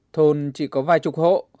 thôn chỉ có vài chục hộ